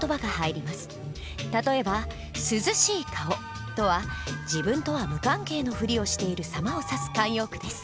例えば「涼しい顔」とは自分とは無関係のふりをしているさまを指す慣用句です。